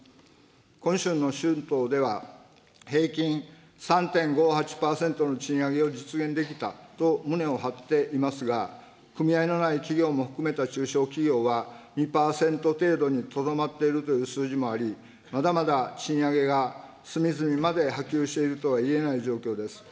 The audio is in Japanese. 今春の春闘では平均３．５８％の賃上げを実現できたと胸を張っていますが、組合のない企業も含めた中小企業は、２％程度にとどまっているという数字もあり、まだまだ賃上げが隅々まで波及しているとは言えない状況です。